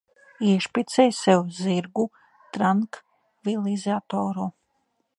Iešpricē sev zirgu trankvilizatoru.